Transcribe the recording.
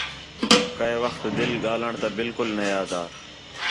کَئے وخت دِِل ڳاھلݨ تا بالکل نے آہدا